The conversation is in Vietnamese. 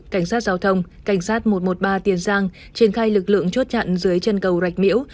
cảnh sát giao thông cảnh sát một trăm một mươi ba tiền giang triển khai lực lượng chốt chặn dưới chân cầu rạch miễu